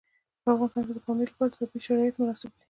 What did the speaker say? په افغانستان کې د پامیر لپاره طبیعي شرایط مناسب دي.